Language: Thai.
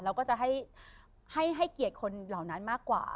เราก็จะให้เกียรติคนเหล่านั้นมากกว่า